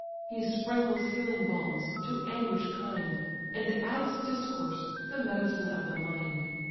He sprinkles healing balms, to anguish kind, And adds discourse, the medicine of the mind.